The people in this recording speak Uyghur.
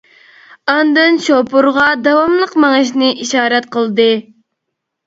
ئاندىن شوپۇرغا داۋاملىق مېڭىشنى ئىشارەت قىلدى.